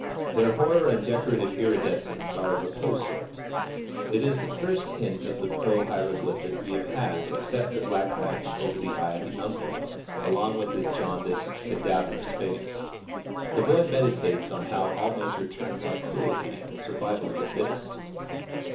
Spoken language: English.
Their horror and decorative iridescence are of the Poe sort. It is the first hint of the Poe hieroglyphic we have had except the black patch over the eye of the uncle, along with his jaundiced, cadaverous face. The boy meditates on how all nature turns on cruelty and the survival of the fittest.